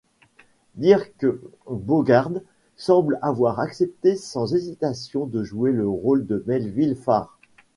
Dirk Bogarde semble avoir accepté sans hésitation de jouer le rôle de Melville Farr.